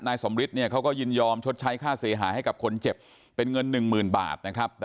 สมฤทธิ์เขาก็ยินยอมชดใช้ค่าเสียหายให้กับคนเจ็บเป็นเงิน๑๐๐๐บาทนะครับ